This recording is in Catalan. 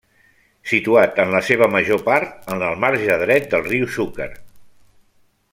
Situat en la seva major part en el marge dret del riu Xúquer.